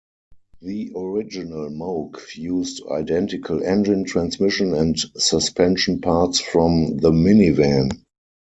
The original Moke used identical engine, transmission and suspension parts from the Mini Van.